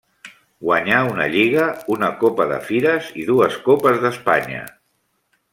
Guanyà una lliga, una Copa de Fires i dues Copes d'Espanya.